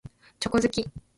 チョコ好き。